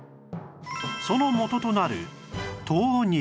そのもととなる豆乳